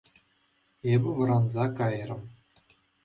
Эпӗ вӑранса кайрӑм.